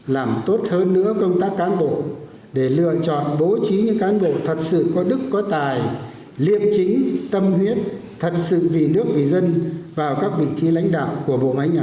làm tốt hơn nữa công tác cán bộ để lựa chọn bố trí những cán bộ thật sự có đức có tài liêm chính tâm huyết thật sự vì nước vì dân vào các vị trí lãnh đạo của bộ máy nhà nước